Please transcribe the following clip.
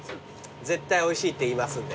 絶対おいしいって言いますんで。